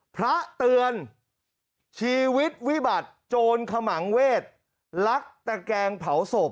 พระเตือนชีวิตวิบัติโจรขมังเวศลักตะแกงเผาศพ